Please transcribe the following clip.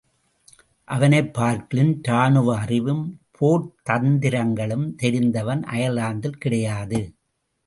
அவனைப்பர்க்கிலும், ராணுவ அறிவும், போர்த்தந்திரங்களும் தெரிந்தவன் அயர்லாந்தில் கிடையாது.